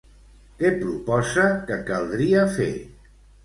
Què proposa que caldria fer?